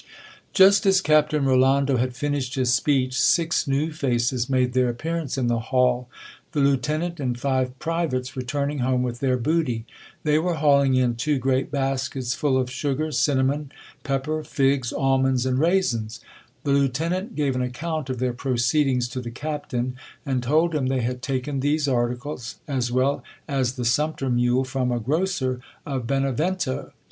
Just as Captain Rolando had finished his speech six new faces made their appearance in the hall ; the lieutenant and five privates returning home with their booty. They were hauling in two great baskets full of sugar, cinnamon, pepper, figs, almonds, and raisins. The lieutenant gave an account of their proceedings to the captain, and told him they had taken these articles, as well as the sumpter mule, from a grocer of Benavento.